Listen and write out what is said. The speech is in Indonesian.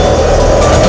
itu udah gila